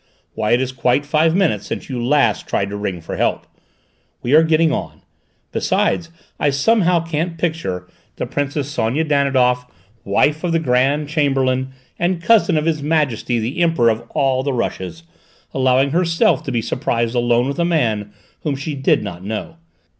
"Why, it is quite five minutes since you last tried to ring for help. We are getting on. Besides, I somehow can't picture the Princess Sonia Danidoff, wife of the Grand Chamberlain and cousin of His Majesty the Emperor of All the Russias, allowing herself to be surprised alone with a man whom she did not know.